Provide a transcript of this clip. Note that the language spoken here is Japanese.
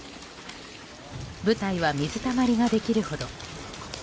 舞台は水たまりができるほど。